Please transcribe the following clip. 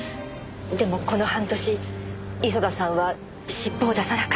でもこの半年磯田さんは尻尾を出さなかった。